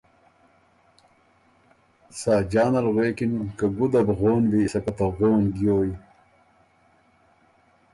ساجان ال غوېکِن که ” ګُده بو غون بی، سکه ته غون ګیویٛ،